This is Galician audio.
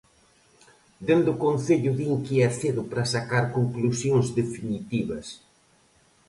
Dende o Concello din que é cedo para sacar conclusións definitivas.